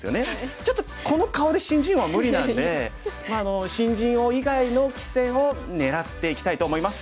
ちょっとこの顔で新人王は無理なんでまあ新人王以外の棋戦を狙っていきたいと思います！